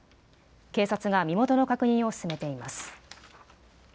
警察が身元の確認を進めています。